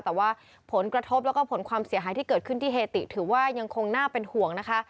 แต่ว่าผลกระทบแล้วก็ผลความเสียหายที่เกิดขึ้นที่เฮติถือว่ายังคงน่าเป็นห่วงนะคะ